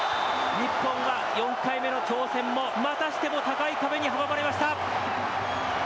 日本は４回目の挑戦も、またしても高い壁に阻まれました。